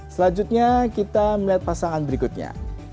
selanjutnya kita melihat pasangan berikutnya